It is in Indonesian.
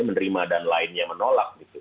menerima dan lainnya menolak